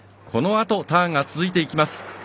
このあとターンが続いていきます。